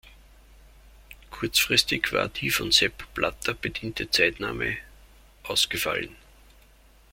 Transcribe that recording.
Kurzfristig war die von Sepp Blatter bediente Zeitnahme ausgefallen.